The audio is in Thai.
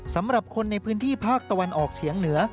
สำหรับคนในพื้นที่ภาคตะวันออกเฉียงเหนือ